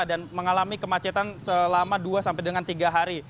dan mengalami kemacetan selama dua sampai dengan tiga hari